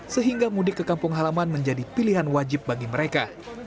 sehingga mudik ke kampung halaman menjadi pilihan wajib bagi mereka